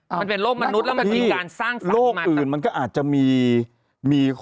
มันเป็นโรคมนุษย์แล้วมันเป็นการสร้างศักดิ์มากโรคอื่นมันก็อาจจะมีมี